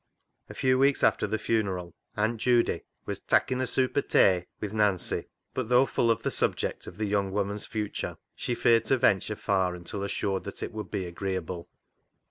A few weeks after the funeral Aunt Judy was " takkin' a soop o' tay " with Nancy, but though full of the subject of the young woman's future, she feared to venture far until assured that it would be agreeable.